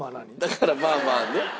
だからまあまあねっ？